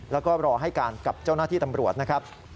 แล้วก็รอให้การกับเจ้าหน้าที่ตำรวจนะครับ